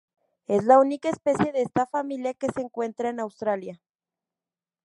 Es la única especie de esta familia que se encuentra en Australia.